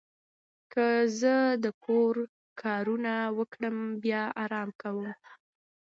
که زه د کور کارونه وکړم، بیا آرام کوم.